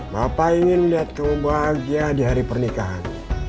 bapak ingin melihat kamu bahagia di hari pernikahan